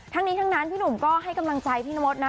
ทั้งนี้ทั้งนั้นพี่หนุ่มก็ให้กำลังใจพี่นมดนะ